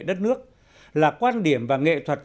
đất nước là quan điểm và nghệ thuật